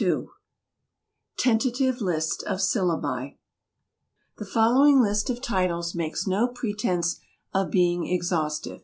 A Tentative List of History Syllabi The following list of titles makes no pretense of being exhaustive.